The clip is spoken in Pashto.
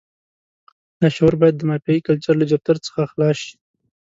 دا شعور باید د مافیایي کلچر له جفتر څخه خلاص شي.